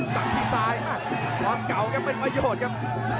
ต่างที่ซ้ายตอนเก่าก็ไม่มีประโยชน์ครับ